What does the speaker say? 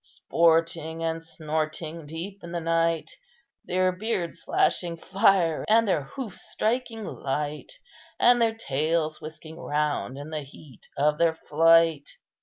"Sporting and snorting, deep in the night, Their beards flashing fire, and their hoofs striking light, And their tails whisking round in the heat of their flight."